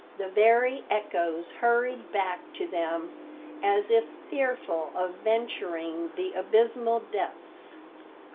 The very echoes hurried back to them as if fearful of venturing the abysmal depths.